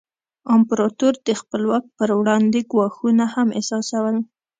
امپراتور د خپل واک پر وړاندې ګواښونه هم احساسول.